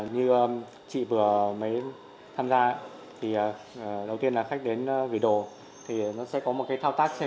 như chị vừa mới tham gia thì đầu tiên là khách đến vì đồ thì nó sẽ có một cái thao tác xe